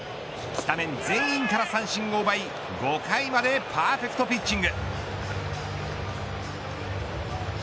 スタメン全員から三振を奪い５回までパーフェクトピッチング。